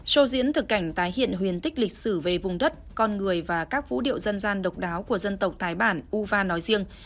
sho diễn thực cảnh tái hiện huyền tích lịch sử về vùng đất con người và các vũ điệu dân gian độc đáo của dân tộc thái bản uva nói riêng